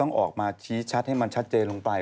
ออกมาชี้ชัดให้มันชัดเจนลงไป